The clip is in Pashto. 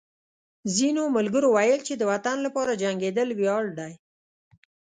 ځینو ملګرو ویل چې د وطن لپاره جنګېدل ویاړ دی